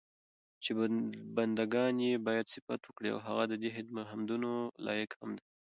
چې بندګان ئي بايد صفت وکړي، او هغه ددي حمدونو لائق هم دی